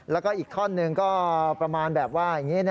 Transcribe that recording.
แล้วก็อีกท่อนหนึ่งก็ประมาณแบบว่าอย่างนี้นะ